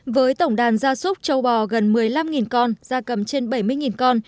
với tổng đàn ra súc châu bò gần một mươi năm con ra cầm trên bảy mươi con